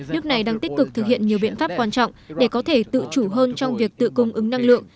nước này đang tích cực thực hiện nhiều biện pháp quan trọng để có thể tự chủ hơn trong việc tự cung ứng năng lượng